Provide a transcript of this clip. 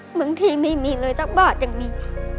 เหมือนที่ไม่มีเลยจ๊ะบาทยังมี